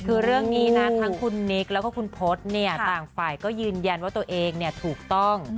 คือเรื่องนี้นะทั้งคุณนิกแล้วก็คุณพศเนี่ยต่างฝ่ายก็ยืนยันว่าตัวเองเนี่ยถูกต้อง